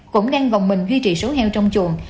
cũng đang vòng mình duy trì số heo trong chuồng